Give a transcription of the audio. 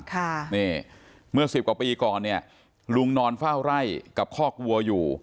ค่ะนี่เมื่อสิบกว่าปีก่อนเนี่ยลุงนอนเฝ้าไร่กับคอกวัวอยู่